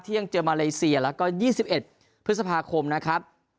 ยังเจอมาเลเซียแล้วก็๒๑พฤษภาคมนะครับ